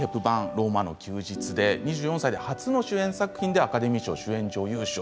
「ローマの休日」で２４歳で初の主演作品でアカデミー賞主演女優賞。